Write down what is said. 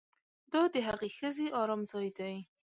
دا د هغې ښځې ارام ځای دی